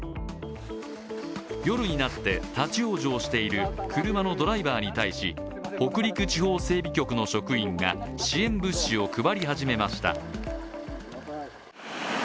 夜になって立往生している車のドライバーに対し北陸地方整備局の職員が支援物資を配り始めました。